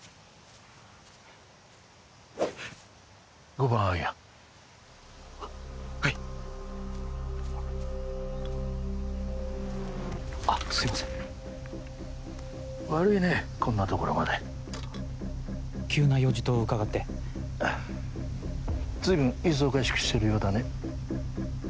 ５番アイアンははいあっすいません悪いねこんなところまで急な用事と伺って随分忙しくしてるようだね